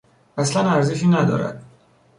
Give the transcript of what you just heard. اصلا ارزشی ندارد.